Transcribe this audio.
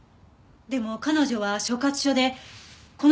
でも彼女は所轄署でこのご遺体を。